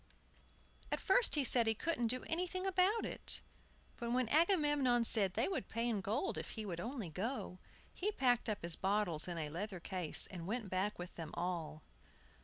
At first he said he couldn't do anything about it; but when Agamemnon said they would pay in gold if he would only go, he packed up his bottles in a leather case, and went back with them all.